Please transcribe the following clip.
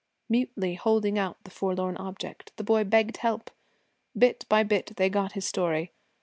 Mutely holding out the forlorn object, the boy begged help. Bit by bit they got his story.